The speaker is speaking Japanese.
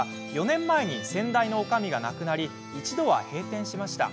４年前に先代のおかみが亡くなり一度は閉店しました。